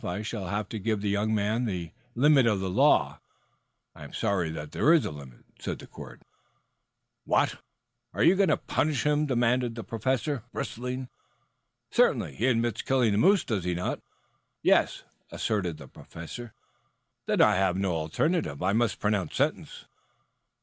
I shall have to give the young man the limit of the law. I am sorry that there is a limit," said the court. "What? You are going to punish him?" demanded the Professor, bristling. "Certainly. He admits killing the moose, does he not?" "Yes," assented the Professor. "Then I have no alternative. I must pronounce sentence."